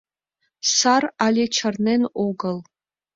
Сар але чарнен огыл.